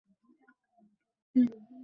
আমরা ট্যাঙ্কের নীচে ডিনামাইট লাগিয়ে দেবো।